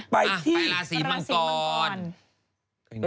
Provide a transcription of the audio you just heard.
ไปราศีมังกร